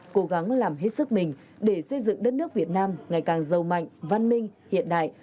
cố gắng làm hết sức mình để xây dựng đất nước việt nam ngày càng giàu mạnh văn minh hiện đại